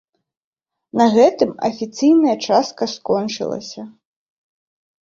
На гэтым афіцыйная частка скончылася.